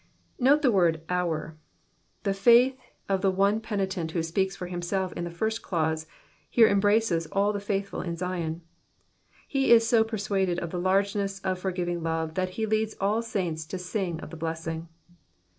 Kote the word '*aMr," the faith of the one p^^nitent who speaks for himself in the first clause, here embraces all the faithful in Zion ; and he is so persuaded of the largeness of forgiving love that he leads all the saints to sing of the blessing.